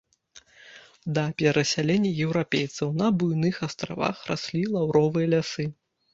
Да перасялення еўрапейцаў на буйных астравах раслі лаўровыя лясы.